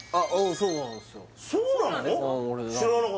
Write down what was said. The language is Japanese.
そうなんですか？